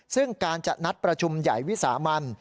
ซึ่งการจะนัดประชุมใหญ่วิสามัน